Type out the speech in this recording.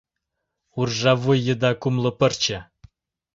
Уржавуй еда Кумло пырче.